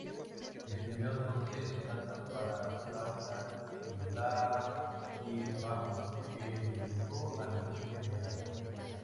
Escribió doce sonatas para flauta, viola y bajo, que dedicó al duque de Alba.